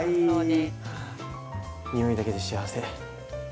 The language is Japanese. は匂いだけで幸せ。